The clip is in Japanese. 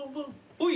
おい。